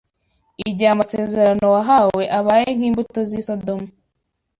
igihe amasezerano wahawe abaye nk’imbuto z’i Sodomu